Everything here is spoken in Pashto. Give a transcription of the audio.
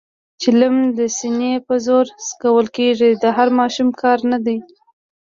چلم د سینې په زور څکول کېږي، د هر ماشوم کار نه دی.